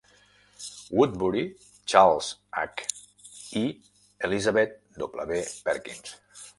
Woodbury, Charles H. i Elizabeth W. Perkins.